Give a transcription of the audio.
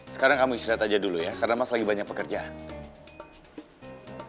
sekarang kamu istirahat aja dulu ya karena mas lagi banyak pekerjaan